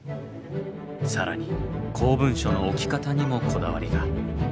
更に公文書の置き方にもこだわりが。